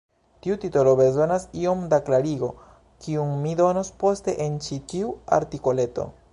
Tiu titolo bezonas iom da klarigo, kiun mi donos poste en ĉi tiu artikoleto.